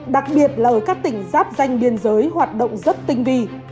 đặc biệt là ở các tỉnh giáp danh biên giới hoạt động rất tinh vi